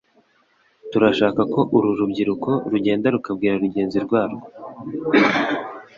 Turashaka ko uru rubyiruko rugenda rukabwira rugenzi rwarwo